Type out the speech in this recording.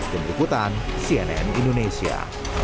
dengan ikutan cnn indonesia